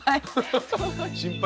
心配。